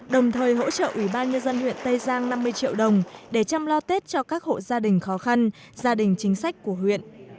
đồng thời hỗ trợ ủy ban nhân dân huyện tây giang năm mươi triệu đồng để chăm lo tết cho các hộ gia đình khó khăn gia đình chính sách của huyện